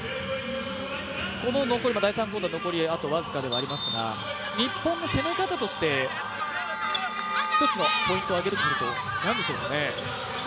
第３クオーター残りあと僅かではありますが日本の攻め方として、一つのポイントを挙げるとすると何でしょうか？